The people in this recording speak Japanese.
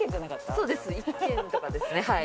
そうです１軒とかですねはい。